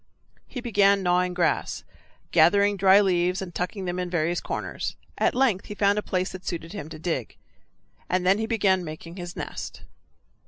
He began gnawing grass, gathering dry leaves and tucking them in various corners. At length he found a place that suited him to dig, and then he began making his nest.